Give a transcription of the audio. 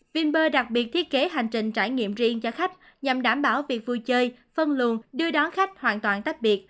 vinber đặc biệt thiết kế hành trình trải nghiệm riêng cho khách nhằm đảm bảo việc vui chơi phân luồn đưa đón khách hoàn toàn tách biệt